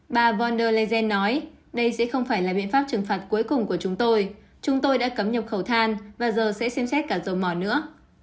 bà von der leygen nói đây sẽ không phải là biện pháp trừng phạt cuối cùng của chúng tôi chúng tôi đã cấm nhập khẩu than và giờ sẽ xem xét cả dầu mỏ nữa